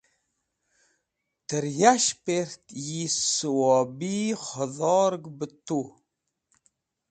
ta yashpert yi suwobi khudhorg b tey